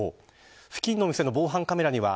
付近の店の防犯カメラには